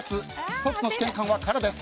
１つの試験管は空です。